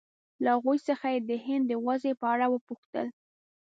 له هغوی څخه یې د هند د وضعې په اړه وپوښتل.